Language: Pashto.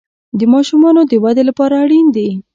د ماشومانو د ودې لپاره اړین دي.